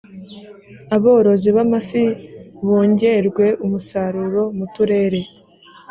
Aborozi b’amafi bongerwe umusaruro muturere